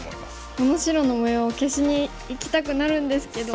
この白の模様消しにいきたくなるんですけど。